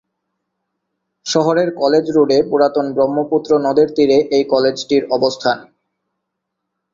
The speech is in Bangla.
শহরের কলেজ রোডে পুরাতন ব্রহ্মপুত্র নদের তীরে এই কলেজটির অবস্থান।